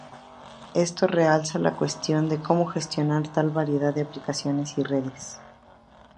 Esto realza la cuestión de como gestionar tal variedad de aplicaciones y redes.